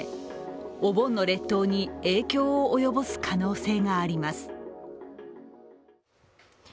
お盆の列島に影響を及ぼす可能性があります。